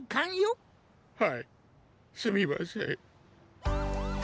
はいすみません。